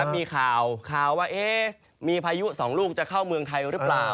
มีข่าวว่ามีพายุสองลูกจะเข้าเมืองไทยหรือเปล่า